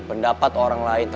pendapat orang lain